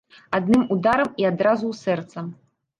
Адным ударам, і адразу ў сэрца.